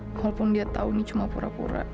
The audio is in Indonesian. walaupun dia tahu ini cuma pura pura